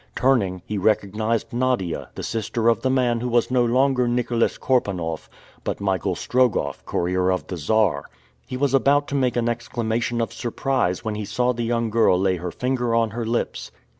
Turning, he recognized Nadia, the sister of the man who was no longer Nicholas Korpanoff, but Michael Strogoff, Courier of the Czar. He was about to make an exclamation of surprise when he saw the young girl lay her finger on her lips.